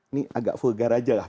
ini agak vulgar aja lah